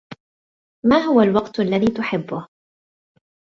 ما هو الوقت الذي تحبه